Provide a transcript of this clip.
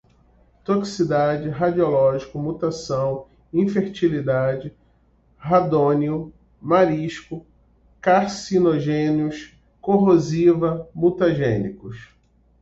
toxicidade, radiológicos, mutação, infertilidade, radônio, marisco, carcinógenos, corrosivas, mutagênicos